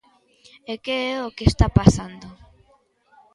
E que é o que está pasando.